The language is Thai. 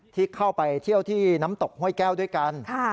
ที่เข้าไปเที่ยวที่น้ำตกห้วยแก้วด้วยกัน